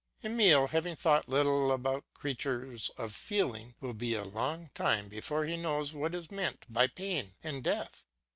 Emile having thought little about creatures of feeling will be a long time before he knows what is meant by pain and death.